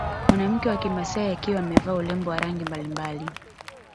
Mwanamke wa kimasai akiwa amevaa urembo wa rangi mbalimbali